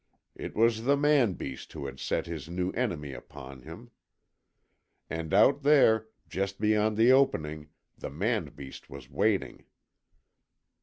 It was the man beast who had set this new enemy upon him; and out there, just beyond the opening, the man beast was waiting.